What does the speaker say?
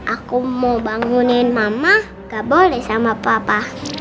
aku mau bangunin mama gak boleh sama papa